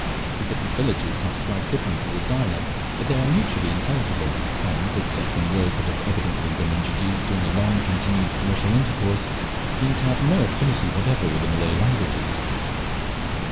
The different villages have slight differences of dialect, but they are mutually intelligible, and, except in words that have evidently been introduced during a long continued commercial intercourse, seem to have no affinity whatever with the Malay languages.